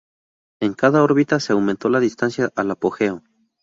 En cada órbita se aumentó la distancia al apogeo.